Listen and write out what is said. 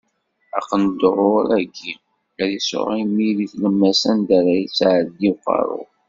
Aqendur-agi ad isɛu imi di tlemmast, anda ara yettɛeddi uqerru.